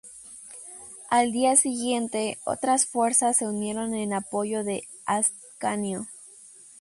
Al día siguiente otras fuerzas se unieron en apoyo de Ascanio.